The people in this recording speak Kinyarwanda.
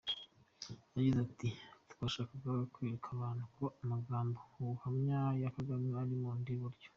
Yagize ati “Twashakaga kwereka abantu amagambo y’ubuhanga ya Kagame mu bundi buryo.